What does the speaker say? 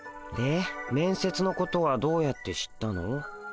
でめんせつのことはどうやって知ったの？